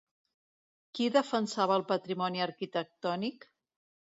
Qui defensava el patrimoni arquitectònic?